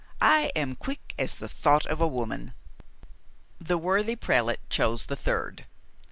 "I am quick as the thought of a woman." The worthy prelate chose the third.